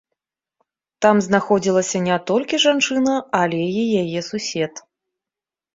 Там знаходзілася не толькі жанчына, але і яе сусед.